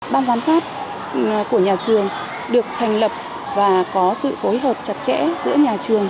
ban giám sát của nhà trường được thành lập và có sự phối hợp chặt chẽ giữa nhà trường